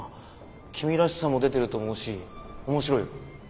君らしさも出てると思うし面白いよ。